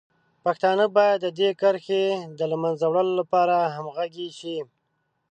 پښتانه باید د دې کرښې د له منځه وړلو لپاره همغږي شي.